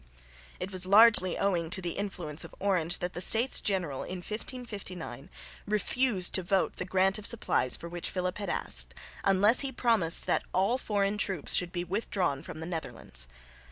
It was largely owing to the influence of Orange that the States General in 1559 refused to vote the grant of supplies for which Philip had asked, unless he promised that all foreign troops should be withdrawn from the Netherlands.